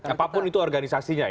apapun itu organisasinya ya